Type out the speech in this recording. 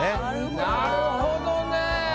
なるほどね。